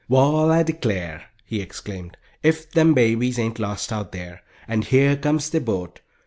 "Wall, I declare!" he exclaimed, "if them babies ain't lost out there. And here comes their boat.